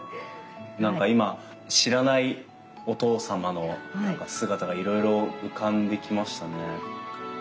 何か今知らないお父様の姿がいろいろ浮かんできましたね。